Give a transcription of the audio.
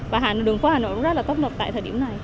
và đường quốc hà nội rất là tốt lực tại thời điểm này